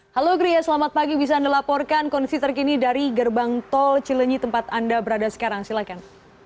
halo gria selamat pagi bisa anda laporkan kondisi terkini dari gerbang tol cilenyi tempat anda berada sekarang silakan